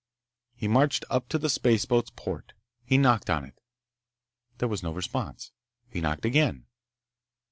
He marched up to the spaceboat's port. He knocked on it. There was no response. He knocked again.